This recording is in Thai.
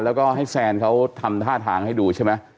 แล้วก็ให้แซนเขาทำท่าทางให้ดูใช่ไหม